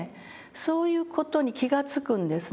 そういう事に気が付くんですね。